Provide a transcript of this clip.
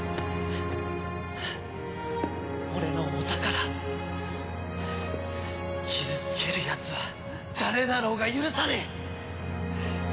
俺のお宝傷つけるやつは誰だろうが許さねえ！